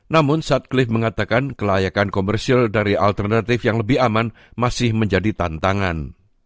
namun satelit mengatakan kelayakan komersil dari alternatif yang lebih aman masih menjadi tantangan